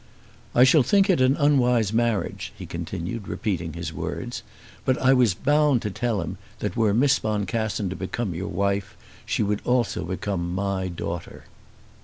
"I shall think it an unwise marriage," he continued, repeating his words; "but I was bound to tell him that were Miss Boncassen to become your wife she would also become my daughter."